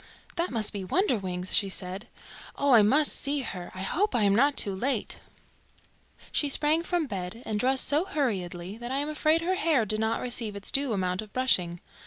"That must be Wonderwings," she said. "Oh, I must see her. I hope I am not too late." She sprang from bed and dressed so hurriedly that I am afraid her hair did not receive its due amount of brushing.